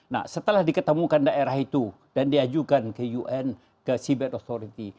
nah setelah diketemukan daerah itu dan diajukan ke un ke seabed authority